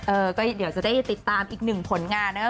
เออก็เดี๋ยวจะได้ติดตามอีกหนึ่งผลงานนะ